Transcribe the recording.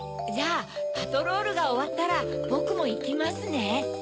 じゃあパトロールがおわったらぼくもいきますね。